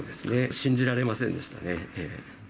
信じられませんでしたね。